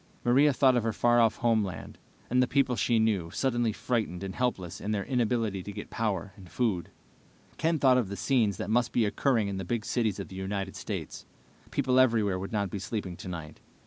Maria thought of her far off homeland, and the people she knew, suddenly frightened and helpless in their inability to get power and food. Ken thought of the scenes that must be occurring in the big cities of the United States. People everywhere would not be sleeping tonight.